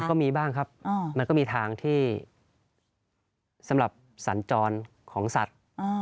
มันก็มีบ้างครับอ่ามันก็มีทางที่สำหรับสรรจรของสัตว์อ่า